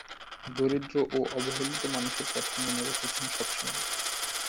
দরিদ্র ও অবহেলিত মানুষের কথাও মনে রেখেছেন সবসময়।